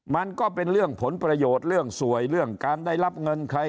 มันก็เป็นเรื่องผลประโยชน์เรื่องสวยเรื่องการได้รับเงินใคร